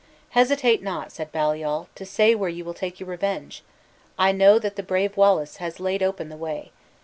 "Hesitate not," said Baliol, "to say where you will take your revenge! I know that the brave Wallace has laid open the way.